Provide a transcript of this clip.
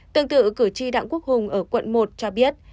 tương tự cử tri đảng quốc hùng ở quận một cho biết